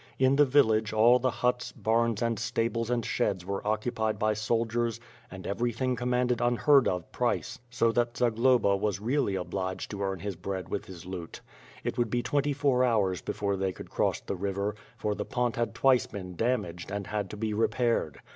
In the village all the huts, "bams and stables and sheds were occupied by soldiers and every thing commanded unheard of price, so that Zagloba was really obliged to earn his bread with his lute. It would be twenty four hours before they could cross the river, for the pont had twice been damaged, and had to be repaired.